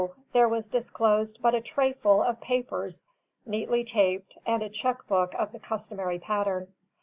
there was disclosed but a trayful of papers, neatly taped, and a cheque book of the customary pattern.